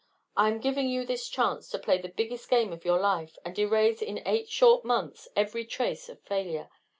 I am giving you this chance to play the biggest game of your life, and erase in eight short months every trace of failure.